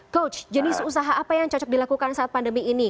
coach jenis usaha apa yang cocok dilakukan saat pandemi ini